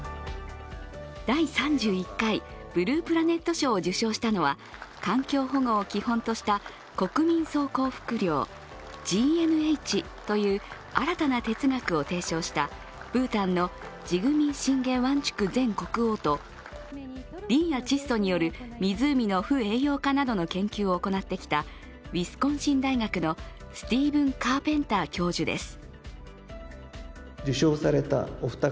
第３１回ブループラネット賞を受賞したのは、環境保護を基本とした国民総幸福量＝ＧＮＨという新たな哲学を提唱したブータンのジグミ・シンゲ・ワンチュク前国王とリンや窒素による湖の富栄養化などの研究を行ってきたウィスコンシン大学のスティーブン・カーペンター教授です。